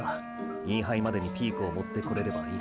インハイまでにピークを持ってこれればいい。